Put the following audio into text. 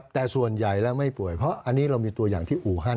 แต่ส่วนใหญ่แล้วไม่ป่วยเพราะอันนี้เรามีตัวอย่างที่อู่ฮัน